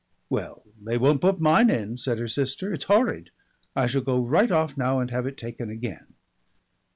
"Well, they won't put mine in," said her sister. "It's horrid. I shall go right off now and have it taken again."